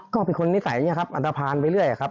ก็เป็นคนนิสัยเนี่ยครับอัตภานไปเรื่อยครับ